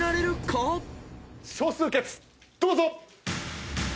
少数決どうぞ！